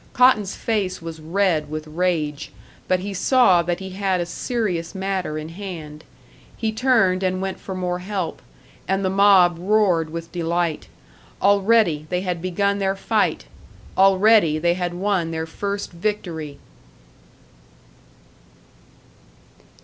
Cotton's face was red with rage, but he saw that he had a serious matter in hand; he turned and went for more help and the mob roared with delight. Already they had begun their fight! Already they had won their first victory!